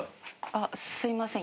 あっすいません。